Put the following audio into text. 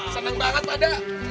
seneng banget pada